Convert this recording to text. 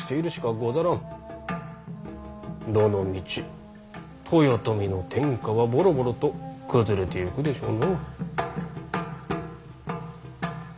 どのみち豊臣の天下はボロボロと崩れてゆくでしょうな。